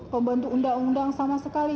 pembantu undang undang sama sekali